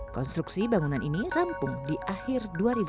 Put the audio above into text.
konstruksi bangunan ini rampung di akhir dua ribu dua puluh